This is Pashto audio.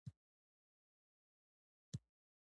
مرسته وکړي.